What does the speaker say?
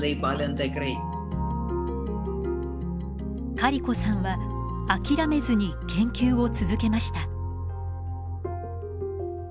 カリコさんは諦めずに研究を続けました。